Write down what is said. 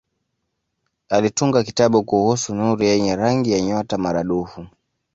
Alitunga kitabu kuhusu nuru yenye rangi ya nyota maradufu.